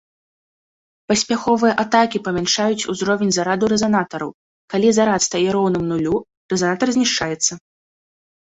Паспяховыя атакі памяншаюць узровень зараду рэзанатараў, калі зарад стае роўным нулю рэзанатар знішчаецца.